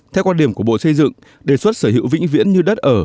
theo quan điểm của bộ xây dựng đề xuất sở hữu vĩnh viễn như đất ở